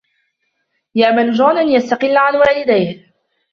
يأمل جون أن يستقل عن والديه.